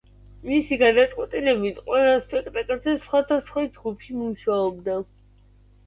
მისი გადაწყვეტილებით, ყველა სპექტაკლზე სხვადასხვა ჯგუფი მუშაობდა.